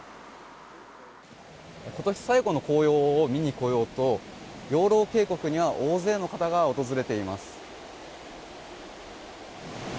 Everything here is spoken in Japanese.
今年最後の紅葉を見に来ようと養老渓谷には大勢の方が訪れています。